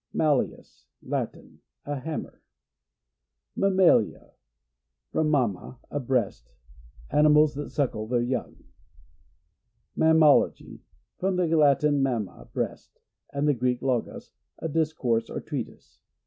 Malleus. — Latin. A hammer. Mammalia. — From mamma, a breast. Animals that suckle their young. Mammalogy. — From the Latin, mam ma, breast, and the Greek, logos, a discourse or treatise.